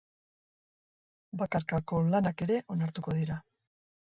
Bakarkako lanak ere onartuko dira.